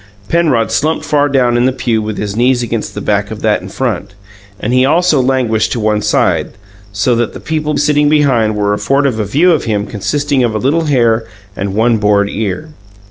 Penrod slumped far down in the pew with his knees against the back of that in front, and he also languished to one side, so that the people sitting behind were afforded a view of him consisting of a little hair and one bored ear.